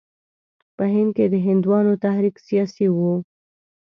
په هند کې د هندوانو تحریک سیاسي وو.